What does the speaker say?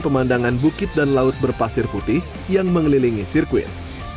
pemandangan bukit dan laut berpasir putih yang mengelilingi sirkuit